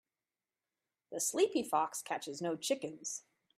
The sleepy fox catches no chickens.